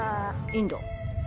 「インド？」